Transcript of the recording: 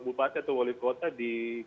bupati atau wali kota di